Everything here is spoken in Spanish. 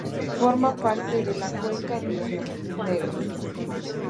Forma parte de la cuenca del río Negro.